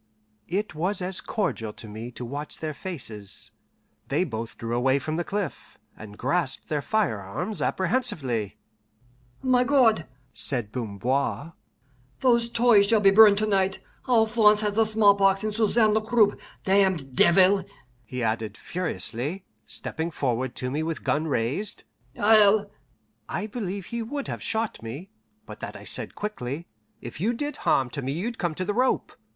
It was as cordial to me to watch their faces. They both drew away from the cliff, and grasped their firearms apprehensively. "My God," said Bamboir, "those toys shall be burned to night. Alphonse has the smallpox and Susanne the croup damned devil!" he added furiously, stepping forward to me with gun raised, "I'll " I believe he would have shot me, but that I said quickly, "If you did harm to me you'd come to the rope.